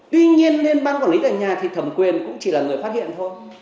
tuy nhiên lên ban quản lý tờ nhà thì thầm quyền cũng chỉ là người phát hiện thôi